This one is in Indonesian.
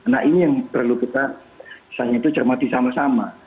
nah ini yang perlu kita cermati sama sama